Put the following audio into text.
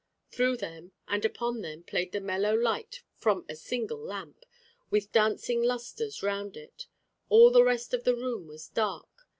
Through them and upon them played the mellow light from a single lamp, with dancing lustres round it. All the rest of the room was dark.